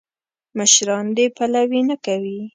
مشران دې پلوي نه کوي.